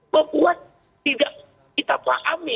membuat tidak kita pahami